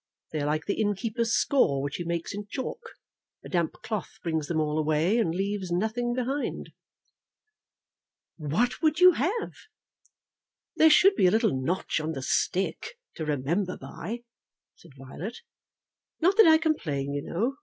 They are like the inn keeper's score which he makes in chalk. A damp cloth brings them all away, and leaves nothing behind." "What would you have?" "There should be a little notch on the stick, to remember by," said Violet. "Not that I complain, you know.